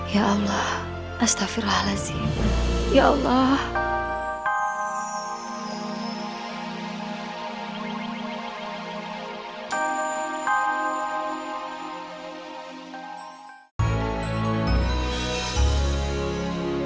ya allah astaghfirullahaladzim ya allah